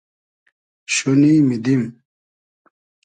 شونی میدیم